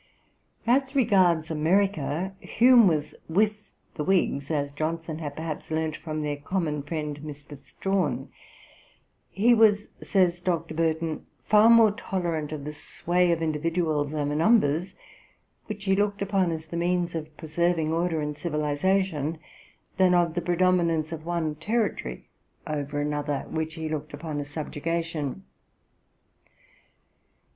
Ib. p. 500. As regards America, Hume was with the Whigs, as Johnson had perhaps learnt from their common friend, Mr. Strahan. 'He was,' says Dr. Burton, 'far more tolerant of the sway of individuals over numbers, which he looked upon as the means of preserving order and civilization, than of the predominance of one territory over another, which he looked upon as subjugation.'